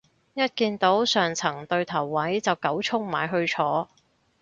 一見到上層對頭位就狗衝埋去坐